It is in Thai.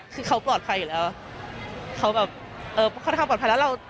คือเขาปลอดภัยอยู่แล้วเขาแบบเอ่อเขาทำปลอดภัยแล้วเรา